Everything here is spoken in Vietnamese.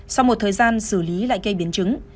sau một thời gian xử lý lại cây biến chứng